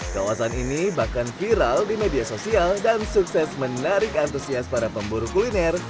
kawasan ini bahkan viral di media sosial dan sukses menarik antusias para pemburu kuliner